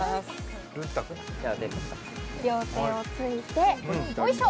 両手をついて、おいしょ！